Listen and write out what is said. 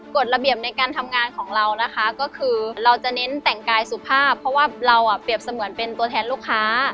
กฎระเบียบในการทำงานของเรานะคะก็คือเราจะเน้นแต่งกายสุภาพเพราะว่าเราเปรียบเสมือนเป็นตัวแทนลูกค้า